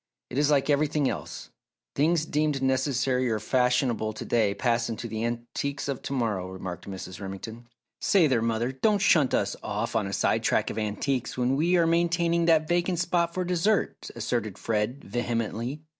"It is like everything else things deemed necessary or fashionable to day pass into the antiques of to morrow," remarked Mrs. Remington. "Say there, mother! don't shunt us off on a sidetrack of antiques when we are maintaining that vacant spot for dessert," asserted Fred, vehemently.